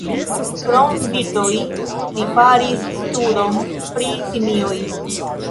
Krom birdoj li faris studon pri simioj.